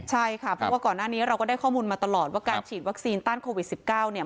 ใช่ค่ะเพราะว่าก่อนหน้านี้เราก็ได้ข้อมูลมาตลอดว่าการฉีดวัคซีนต้านโควิด๑๙เนี่ย